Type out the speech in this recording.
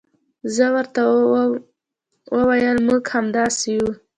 زه ورته وویل موږ هم همداسې یو.